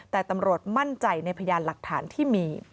แต่ตำรวจมั่นใจในพยานหลักฐานที่มี